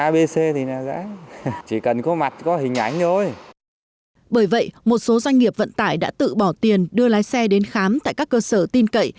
bởi vậy một số doanh nghiệp vận tải đã tự bỏ tiền đưa lái xe đến khám tại các cơ sở tin cậy